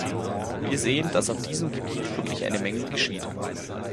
Wir sehen, dass auf diesem Gebiet wirklich eine Menge geschieht.